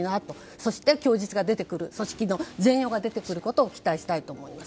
そして供述が出てくる組織の全容が出てくることを期待したいと思います。